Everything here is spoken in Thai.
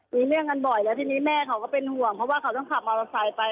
มีเรื่องกันบ่อยแล้วทีนี้แม่เขาก็เป็นห่วงเพราะว่าเขาต้องขับมอเตอร์ไซค์ไป